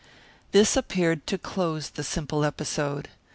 This appeared to close the simple episode.